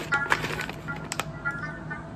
ایا هغه ادبي څېړنه کولای سي؟